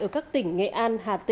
ở các tỉnh nghệ an và các tỉnh đà sơn